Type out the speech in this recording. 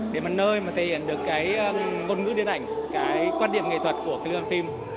để mà nơi mà thể hiện được cái ngôn ngữ điện ảnh cái quan điểm nghệ thuật của cái lương phim